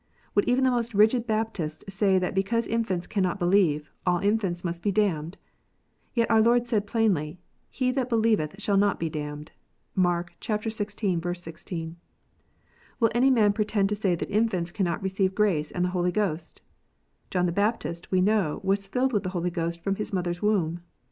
Would even the most rigid Baptist say that because infants cannot believe, all infants must be damned 1 Yet our Lord said plainly, "He that believeth not shall be damned." (Mark xvi. 16.) Will any man pretend to say that infants cannot receive grace and the Holy Ghost 1 John the Baptist, we know, was filled with the Holy Ghost from his mother s womb.